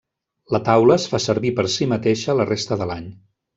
La taula es fa servir per si mateixa la resta de l'any.